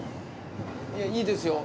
いやいいですよ。